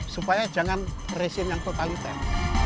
supaya jangan regime yang totaliter